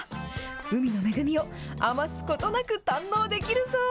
海の恵みを余すことなく堪能できるそう。